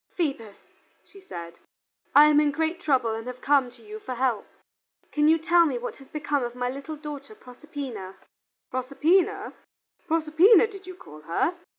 "Phoebus" she said, "I am in great trouble and have come to you for help. Can you tell me what has become of my little daughter Proserpina?" "Proserpina, Proserpina did you call her?"